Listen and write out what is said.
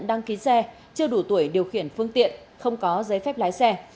đăng ký xe chưa đủ tuổi điều khiển phương tiện không có giấy phép lái xe